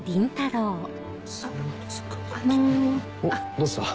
どうした？